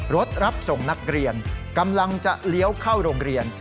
รถรับส่งนักเรียนกำลังจะเลี้ยวเข้าโรงเรียน